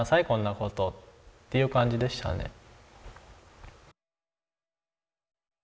こんなこと」っていう感じでしたね。